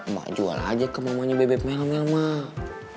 mak jual aja ke mamanya bebe melmel mak